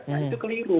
nah itu keliru